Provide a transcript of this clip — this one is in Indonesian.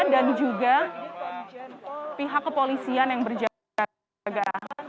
dan juga pihak kepolisian yang berjaga